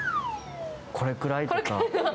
これくらいとか。